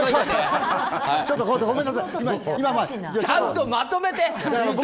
ちゃんとまとめて！